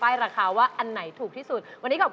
อย่าให้ไปแบบนี้ครับ